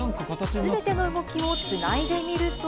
すべての動きをつないでみると。